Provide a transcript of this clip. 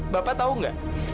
bapak tau nggak